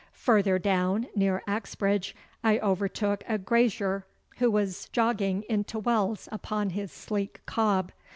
Further down, near Axbridge, I overtook a grazier who was jogging into Wells upon his sleek cob.